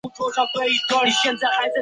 后来信众捐资兴建宫庙落成。